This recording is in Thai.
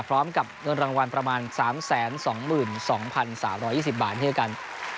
พร้อมกับเงินรางวัลประมาณ๓๒๒๓๒๐บาทด้วยกัน